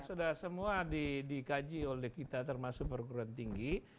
sudah semua dikaji oleh kita termasuk perguruan tinggi